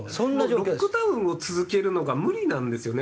ロックダウンを続けるのが無理なんですよね。